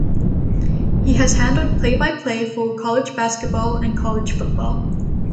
He has handled play-by-play for college basketball and college football.